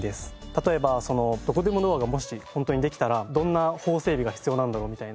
例えばどこでもドアがもし本当にできたらどんな法整備が必要なんだろうみたいな。